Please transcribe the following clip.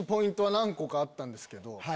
何個かあったんすけど。